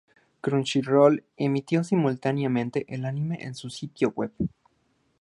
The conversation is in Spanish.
Crunchyroll emitió simultáneamente el anime en su sitio web.